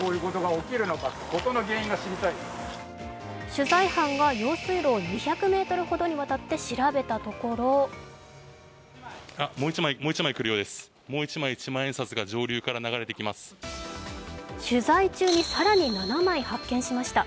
取材班が用水路を２００ｍほどにわたって調べたところ取材中に更に７枚発見しました。